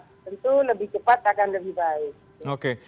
tentu lebih cepat akan lebih baik